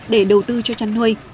để đầu tư cho chăn nuôi